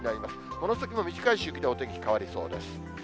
この先も短い周期でお天気変わりそうです。